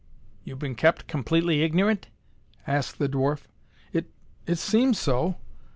"You've been kept completely ignorant?" asked the dwarf. "It it seems so."